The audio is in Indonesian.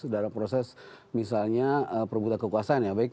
dalam proses misalnya perbutan kekuasaan ya